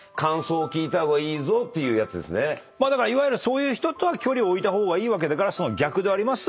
だからそういう人とは距離を置いた方がいいわけだからその逆であります